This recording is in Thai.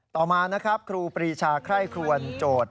ต่อมานะครับครูปรีชาไคร่ครวนโจทย์